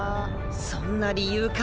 そんな理由か。